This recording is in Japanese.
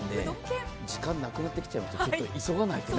時間なくなってきちゃうので急がないとね。